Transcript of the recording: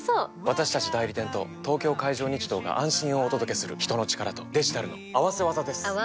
私たち代理店と東京海上日動が安心をお届けする人の力とデジタルの合わせ技です！